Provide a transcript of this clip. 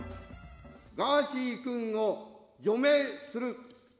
ガーシー君を除名する。